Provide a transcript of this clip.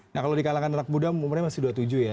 nah kalau di kalangan anak muda umurnya masih dua puluh tujuh ya